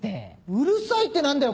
うるさいって何だよ？